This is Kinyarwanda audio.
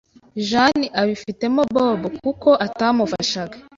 Jane abifitemo Bob kuko atamufashaga.